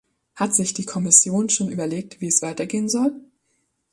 Hat sich die Kommission schon überlegt, wie es weitergehen soll?